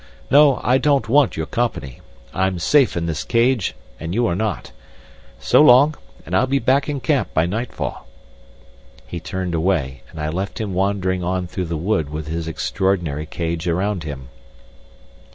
No, I don't want your company. I'm safe in this cage, and you are not. So long, and I'll be back in camp by night fall." He turned away and I left him wandering on through the wood with his extraordinary cage around him.